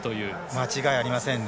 間違いありませんね。